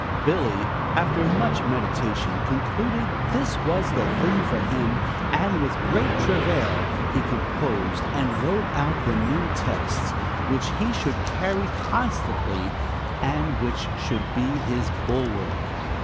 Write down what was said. Billy, after much meditation, concluded this was the thing for him, and with great travail he composed and wrote out the new texts which he should carry constantly and which should be his bulwark.